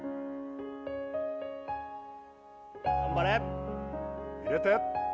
頑張れ入れて！